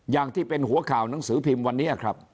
อย่างที่เป็นหัวข่าวหนังสือพิมพ์วันนี้ครับ